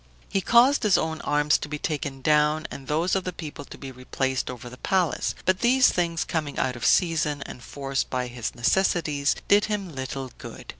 He caused his own arms to be taken down, and those of the people to be replaced over the palace; but these things coming out of season, and forced by his necessities, did him little good.